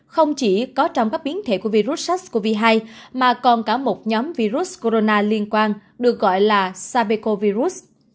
không chỉ có trong các biến thể của virus sars cov hai mà còn cả một nhóm virus corona liên quan được gọi là sapeco virus